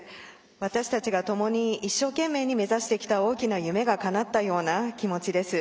私たちがともに一生懸命に目指してきた大きな夢がかなったような気持ちです。